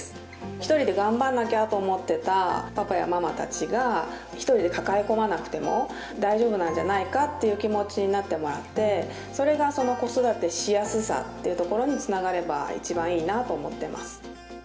一人で頑張んなきゃと思ってたパパやママ達が一人で抱え込まなくても大丈夫なんじゃないかっていう気持ちになってもらってそれがその子育てしやすさっていうところにつながれば一番いいなと思ってます